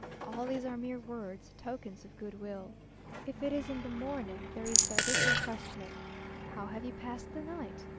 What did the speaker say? All these are mere words, tokens of good will. If it is in the morning, there is the additional question of "How have you passed the night?"